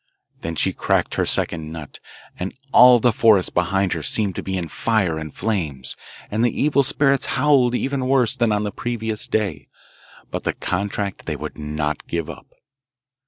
Then she cracked her second nut, and all the forest behind her seemed to be in fire and flames, and the evil spirits howled even worse than on the previous day; but the contract they would not give up.